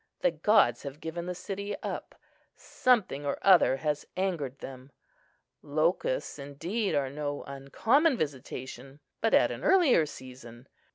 The gods have given the city up; something or other has angered them. Locusts, indeed, are no uncommon visitation, but at an earlier season.